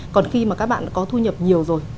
còn khi mà các bạn có thu nhập nhiều rồi